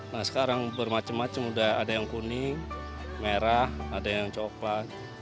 nah sekarang bermacam macam udah ada yang kuning merah ada yang coklat